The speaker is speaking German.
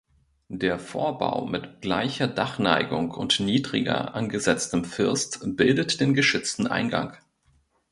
Der Vorbau mit gleicher Dachneigung und niedriger angesetztem First bildet den geschützten Eingang.